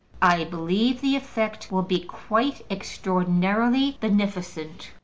I believe the effect will be quite extraordinarily beneficent.